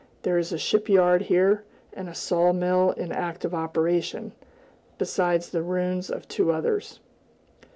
There is a ship yard here; and a sawmill in active operation, besides the ruins of two others.